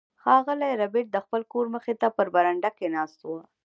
ښاغلی ربیټ د خپل کور مخې ته په برنډه کې ناست و